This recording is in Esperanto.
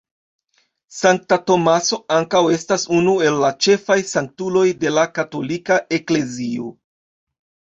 Sankta Tomaso ankaŭ estas unu el la ĉefaj sanktuloj de la Katolika Eklezio.